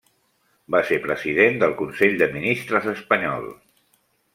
Va ser President del Consell de Ministres espanyol.